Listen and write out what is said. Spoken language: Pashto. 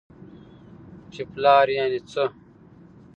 چې پلار يعنې څه؟؟!